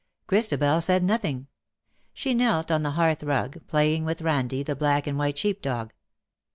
Christabel said nothing. She knelt on the hearth rug, playing with Randie, the black and white sheep dog.